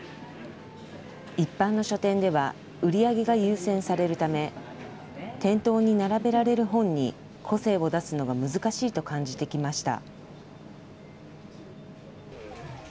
一般の書店では売り上げが優先されるため、店頭に並べられる本に個性を出すのが難しいと感じてきました。